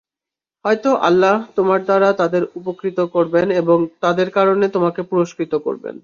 হয়তো আল্লাহ তোমার দ্বারা তাদের উপকৃত করবেন আর তাদের কারণে তোমাকে পুরস্কৃত করবেন।